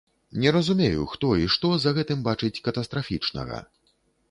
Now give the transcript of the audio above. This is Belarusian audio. Не разумею, хто і што за гэтым бачыць катастрафічнага?